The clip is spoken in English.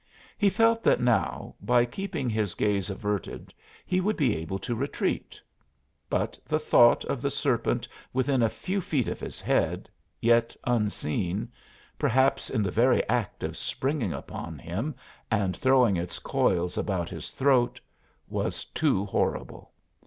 He felt that now, by keeping his gaze averted, he would be able to retreat. But the thought of the serpent within a few feet of his head, yet unseen perhaps in the very act of springing upon him and throwing its coils about his throat was too horrible!